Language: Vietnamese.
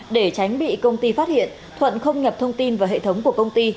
để tránh bị công ty phát hiện thuận không nhập thông tin vào hệ thống của công ty